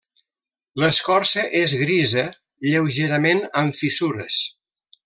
L'escorça és grisa, lleugerament amb fissures.